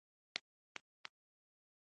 غوږونه د خپلوانو آواز سره اشنا دي